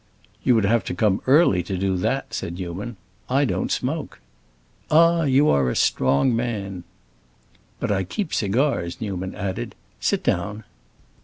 "You would have to come early to do that," said Newman. "I don't smoke." "Ah, you are a strong man!" "But I keep cigars," Newman added. "Sit down."